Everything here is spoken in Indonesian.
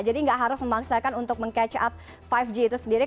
jadi nggak harus memaksakan untuk meng catch up lima g itu sendiri